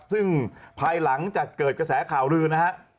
ซึ่งภายหลังจากเกิดกระแสข่าวลือนะฮะ